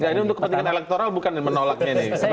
kepentingan elektoral bukan menolaknya ini